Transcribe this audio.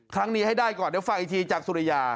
ครั้งนี้ให้ได้ก่อนเดี๋ยวฟังอีกทีจากสุริยา